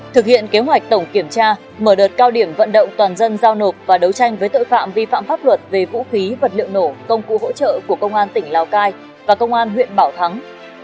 thực hiện kế hoạch tổng kiểm tra mở đợt cao điểm vận động toàn dân giao nộp và đấu tranh với tội phạm vi phạm pháp luật về vũ khí vật liệu nổ công cụ hỗ trợ của công an tỉnh lào cai và công an huyện bảo thắng